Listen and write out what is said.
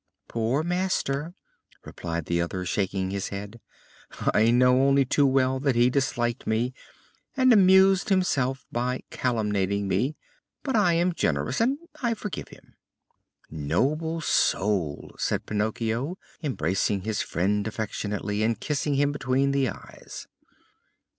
'" "Poor master!" replied the other, shaking his head. "I know only too well that he disliked me, and amused himself by calumniating me; but I am generous and I forgive him!" "Noble soul!" said Pinocchio, embracing his friend affectionately and kissing him between the eyes.